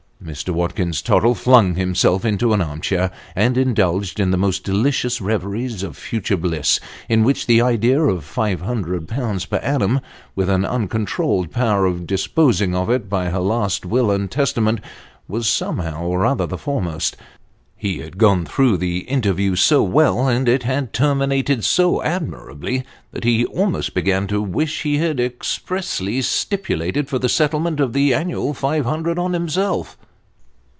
Mr. Watkins Tottle flung himself into an arm chair, and indulged in the most delicious reveries of future bliss, in which the idea of " Five hundred pounds per annum, with an uncontrolled power of dis posing of it by her last will and testament," was somehow or other the foremost. He had gone through the interview so well, and it had 352 Sketches by Boz. terminated so admirably, that lie almost began to wish he had ex pressly stipulated for the settlement of the annual five hundred on himself.